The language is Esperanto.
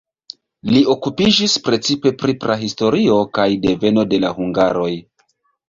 Li okupiĝis precipe pri prahistorio kaj deveno de la hungaroj.